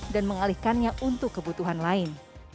dan mengalihkannya untuk kebutuhan lain